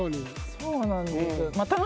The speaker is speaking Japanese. そうなんですよ。